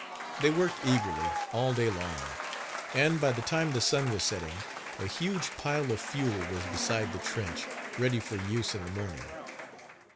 They worked eagerly, all day long; and, by the time the sun was setting, a huge pile of fuel was beside the trench, ready for use in the morning.